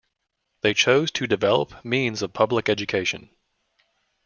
They chose to develop means of public education.